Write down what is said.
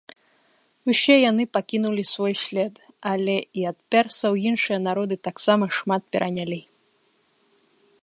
Усе яны пакінулі свой след, але і ад персаў іншыя народы таксама шмат перанялі.